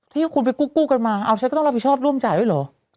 ที่คุณไปกู้กันมาเอาฉันก็ต้องรับผิดชอบร่วมจ่ายด้วยเหรอ